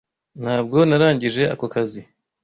Ntabwo narangije ako kazi.